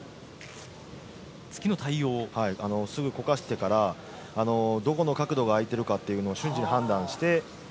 すぐこかしてからどこの角度が開いているのかを瞬時に判断して。